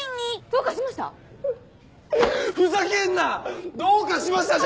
「どうかしました？」